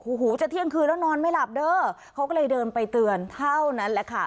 โอ้โหจะเที่ยงคืนแล้วนอนไม่หลับเด้อเขาก็เลยเดินไปเตือนเท่านั้นแหละค่ะ